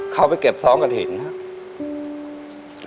เข้าไปเก็บซ้องกระถิ่นครับ